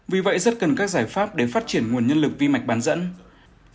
vì vậy rất cần các giải pháp để phát triển nguồn nhân lực vi mạch bán dẫn việt nam